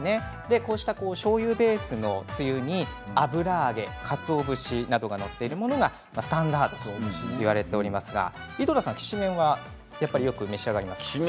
しょうゆベースのつゆに油揚げ、かつお節などが載っているものがスタンダードといわれていますが井戸田さん、きしめんはよく召し上がりますか。